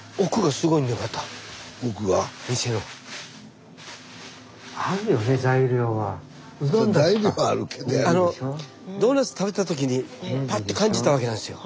スタジオドーナツ食べた時にパッて感じたわけなんですよ。